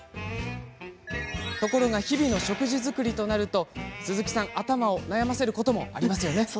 ところが日々の食事作りとなると鈴木さん頭を悩ませてしまいますよね。